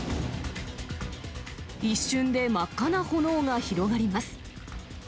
一瞬で真っ赤な炎が広がります。